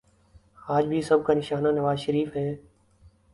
آج بھی سب کا نشانہ نوازشریف ہیں۔